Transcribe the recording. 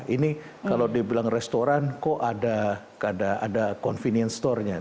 ini kalau dibilang restoran kok ada convenience store nya